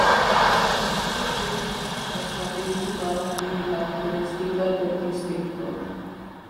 El ecoturismo es la principal actividad turística del distrito.